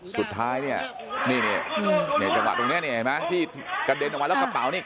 สุดท้ายนี่จังหวะตรงนี้ที่กระเด็นออกมาแล้วกระเป๋านี้